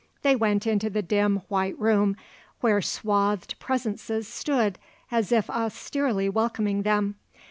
They went into the dim, white room where swathed presences stood as if austerely welcoming them.